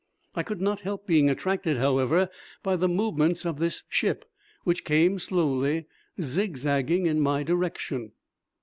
I could not help being attracted, however, by the movements of this ship, which came slowly zigzagging in my direction.